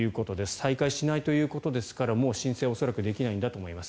再開しないということですからもう申請は恐らくできないんだと思います。